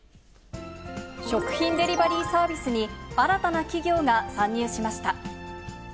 食品デリバリーサービスに、新たな企業が参入しました。